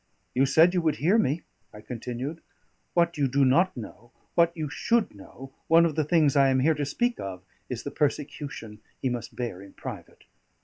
"You said you would hear me," I continued. "What you do not know, what you should know, one of the things I am here to speak of, is the persecution he must bear in private.